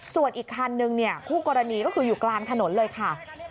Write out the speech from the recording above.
ส่วนอีกคันนึงคู่กรณีก็คืออยู่กลางถนนเลยค่ะ